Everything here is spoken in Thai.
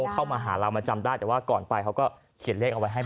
เข้ามาหาเรามาจำได้แต่ว่าก่อนไปเขาก็เขียนเลขเอาไว้ให้หมด